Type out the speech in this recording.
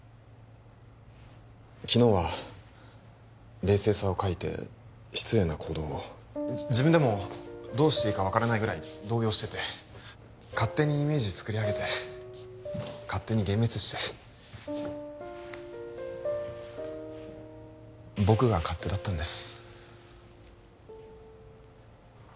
昨日は冷静さを欠いて失礼な行動を自分でもどうしていいか分からないぐらい動揺してて勝手にイメージつくりあげて勝手に幻滅して僕が勝手だったんです